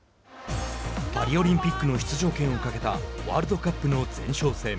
パリオリンピックの出場権をかけたワールドカップの前哨戦。